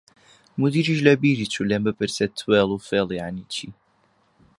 مودیریش لە بیری چوو لێم بپرسێ توێڵ و فێڵ یانی چی؟